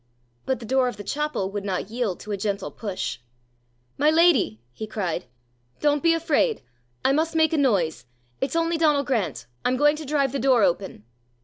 But the door of the chapel would not yield to a gentle push. "My lady," he cried, "don't be afraid. I must make a noise. It's only Donal Grant! I'm going to drive the door open."